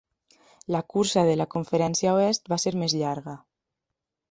La cursa de la Conferència Oest va ser més llarga.